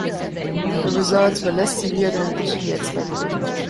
The results were less severe than initially expected.